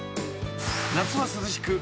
［夏は涼しく］